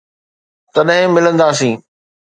تڏھن ملنداسين.